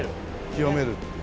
清める。